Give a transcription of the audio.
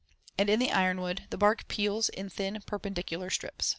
54, and in the ironwood, the bark peels in thin perpendicular strips.